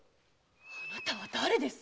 あなたはだれです